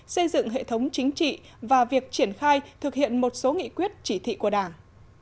xây dựng hệ thống chính trị và việc triển khai thực hiện một số nghị quyết chỉ thị của đảng